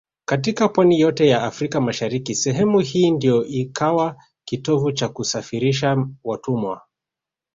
Katika pwani yote ya Afrika mashariki sehemu hii ndio ikawa kitovu cha kusafirishia watumwa